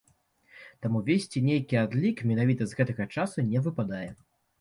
Таму весці нейкі адлік менавіта з гэтага часу не выпадае.